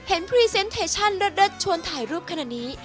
เห็นพรีเซนเทชั่นรัดชวนถ่ายรูปขนาดนี้